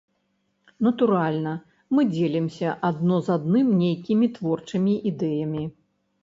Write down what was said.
Натуральна, мы дзелімся адно з адным нейкімі творчымі ідэямі.